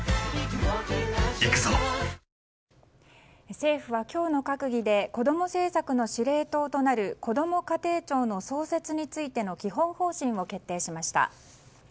政府は今日の閣議で子供政策の司令塔となるこども家庭庁の創設についての基本方針を決定しました。